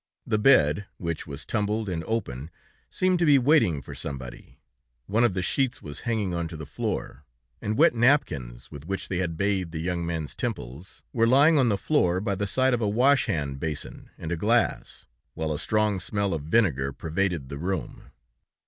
The bed, which was tumbled and open, seemed to be waiting for somebody; one of the sheets was hanging onto the floor, and wet napkins, with which they had bathed the young man's temples, were lying on the floor, by the side of a wash hand basin and a glass, while a strong smell of vinegar pervaded the room."